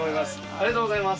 ありがとうございます。